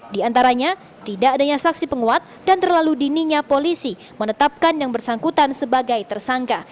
di antaranya tidak adanya saksi penguat dan terlalu dininya polisi menetapkan yang bersangkutan sebagai tersangka